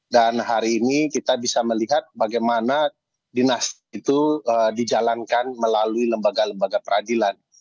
dan hari ini kita bisa melihat bagaimana dinasti itu dijalankan melalui lembaga lembaga peradilan